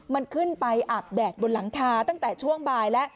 มันขึ้นไปอาบแดดบนหลังคาตั้งแต่ช่วงบ่ายแล้ว